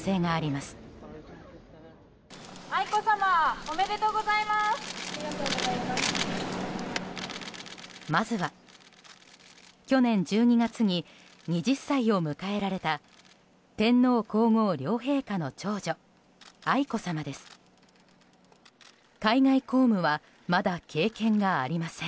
まずは去年１２月に２０歳を迎えられた天皇・皇后両陛下の長女・愛子さまです。